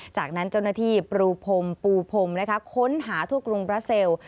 จากนั้นเจ้าหน้าที่ปรูพรมปูพรมค้นหาทั่วกรุงบราเซล